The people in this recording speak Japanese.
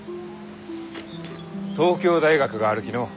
東京大学があるきのう。